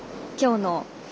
今日の。